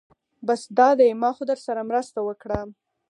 بس دا دی ما خو درسره مرسته وکړه.